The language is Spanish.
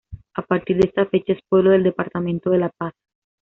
A partir de esta fecha es pueblo del departamento de La Paz.